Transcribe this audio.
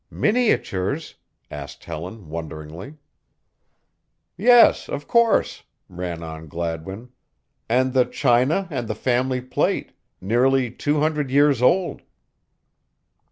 "Miniatures?" asked Helen, wonderingly. "Yes, of course," ran on Gladwin; "and the china and the family plate nearly two hundred years old."